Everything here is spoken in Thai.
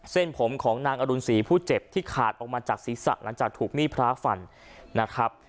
เส้นผมของนางอรุณศรีผู้เจ็บที่ขาดออกมาจากศีรษะหลังจากถูกมีดพระฟันนะครับ